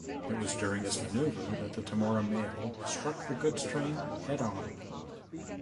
It was during this manoeuvre that the Temora Mail struck the goods train head-on.